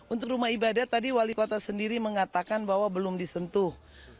untuk rumah ibadah tadi wali kota sendiri mengatakan bahwa belum disentuh